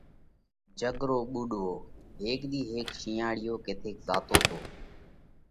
جڳت رو ٻُوڏوو: هيڪ ۮِي هيڪ شِينئاۯِيو ڪٿئيڪ زاتو تو۔